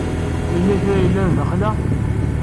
Yella kra i yellan daxel-a.